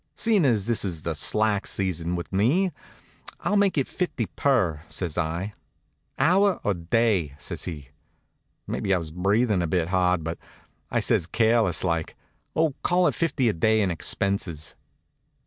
"Seein' as this is the slack season with me, I'll make it fifty per," says I. "Hour or day?" says he. Maybe I was breathin' a bit hard, but I says careless like: "Oh, call it fifty a day and expenses."